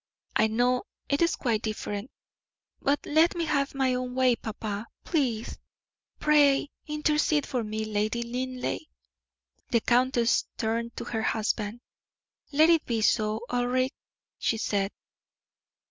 I know it is quite different; but let me have my own way, papa, please. Pray intercede for me, Lady Linleigh." The countess turned to her husband. "Let it be so, Ulric," she said.